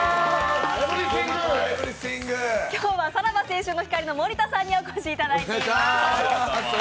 今日はさらば青春の光の森田さんにお越しいただいてます。